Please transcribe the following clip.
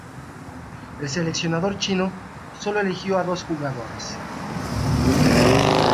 El seleccionador chino solo eligió a dos jugadores.